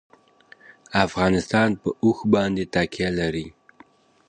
افغانستان په اوښ باندې تکیه لري.